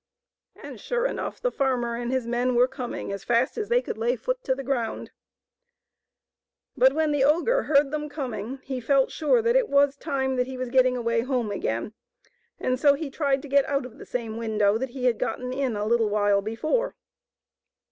And, sure enough, the farmer and his men were coming as fast as they could lay foot to the ground. But when the ogre heard them coming, he felt sure that it was time that he was getting away home again, and so he tried to get out of the same window that he had gotten in a little while before.